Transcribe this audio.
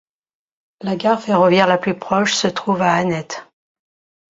La gare ferroviaire la plus proche se trouve à Anet.